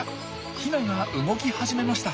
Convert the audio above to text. ヒナが動き始めました。